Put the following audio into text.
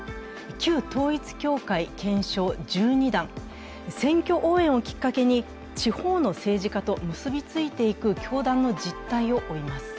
旧統一教会検証１２弾、選挙応援をきっかけに地方の政治家と結びついていく教団の実態を追います。